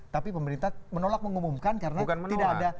tapi pemerintah menolak mengumumkan karena tidak ada